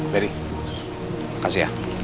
beri makasih ya